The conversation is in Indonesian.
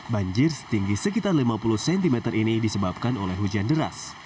banjir setinggi sekitar lima puluh cm ini disebabkan oleh hujan deras